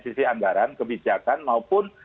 sisi anggaran kebijakan maupun